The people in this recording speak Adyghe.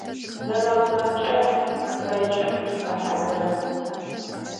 Зэрэхъурэмкӏэ, мэфэкӏым тыфэхьазырэп.